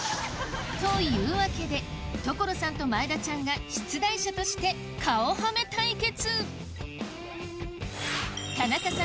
というわけで所さんと前田ちゃんが出題者として顔はめ対決！